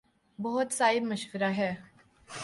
بہت صائب مشورہ ہے۔